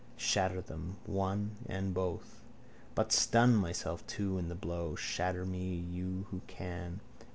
Shatter them, one and both. But stun myself too in the blow. Shatter me you who can.